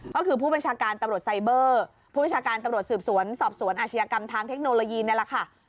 ก็คือผู้บัญชาการตำรวจไซเบอร์ผู้บัญชาการตำรวจสืบสวนสอบสวนอาชญากรรมทางเทคโนโลยีนี่แหละค่ะ